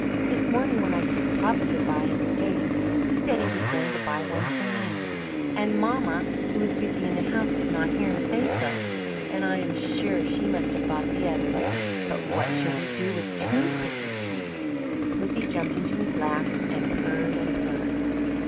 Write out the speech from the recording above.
This morning when I kissed Papa good bye at the gate he said he was going to buy one for me, and mamma, who was busy in the house, did not hear him say so; and I am sure she must have bought the other. But what shall we do with two Christmas trees?" Pussy jumped into his lap and purred and purred.